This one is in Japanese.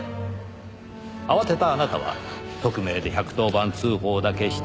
慌てたあなたは匿名で１１０番通報だけして。